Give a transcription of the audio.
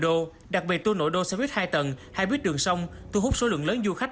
đô đặc biệt tour nội đô xe buýt hai tầng hai buýt đường sông thu hút số lượng lớn du khách